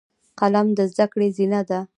قلم د زده کړې زینه ده